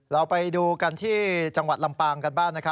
เราไปดูกันที่จังหวัดลำปางกันบ้างนะครับ